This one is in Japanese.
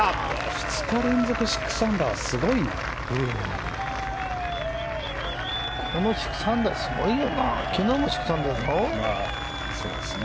２日連続６アンダーはすごいね。